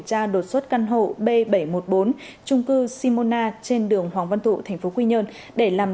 tra đột xuất căn hộ b bảy trăm một mươi bốn trung cư simona trên đường hoàng văn thụ thành phố quy nhơn để làm